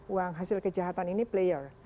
uang hasil kejahatan ini player